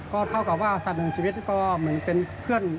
ก็เท่ากับว่าสัตว์หนึ่งชีวิตก็เหมือนเป็นเพื่อน